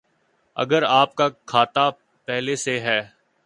اگر آپ کا کھاتہ پہلے سے ہے